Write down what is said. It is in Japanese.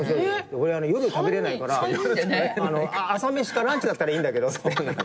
俺夜食べれないから朝飯かランチだったらいいんだけどっつって。